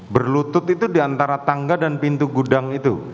berlutut itu di antara tangga dan pintu gudang itu